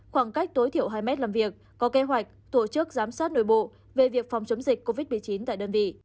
khoảng cách tối thiểu hai mét làm việc có kế hoạch tổ chức giám sát nội bộ về việc phòng chống dịch covid một mươi chín tại đơn vị